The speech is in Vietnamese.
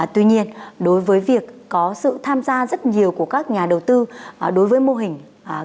tuy nhiên đối với việc có sự tham gia rất nhiều của các nhà đầu tư đối với mô hình kinh doanh mới này